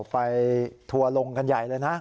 ไปถัวลงกันใหญ่เลยนะ